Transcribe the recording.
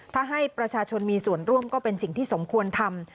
ถ้าให้ประชาชนมีส่วนร่วมก็เป็นสิ่งที่สมควรทำ